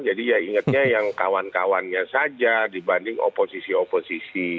jadi ya ingetnya yang kawan kawannya saja dibanding oposisi oposisi